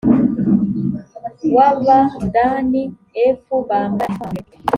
w abadani f bambara intwaro